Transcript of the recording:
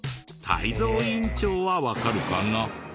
泰造委員長はわかるかな？